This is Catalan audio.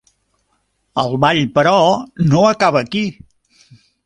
El ball, però, no acaba aquí.